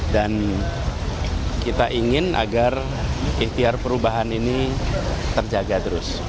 dan kita ingin agar ikhtiar perubahan ini terjaga terus